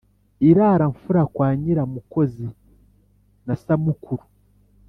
I Rara-mfura kwa Nyiramukozi na Samukuru